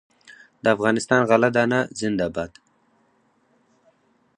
د افغانستان غله دانه زنده باد.